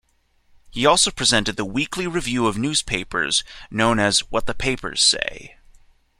He also presented the weekly review of newspapers known as "What the Papers Say".